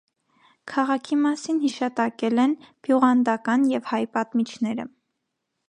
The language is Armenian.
Քաղաքի մասին հիշատակել են բյուղանդական և հայ պատմիչները։